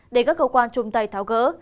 để các cơ quan chung tay tháo gỡ